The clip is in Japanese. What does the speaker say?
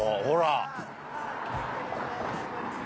ほら！